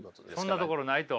そんなところないと。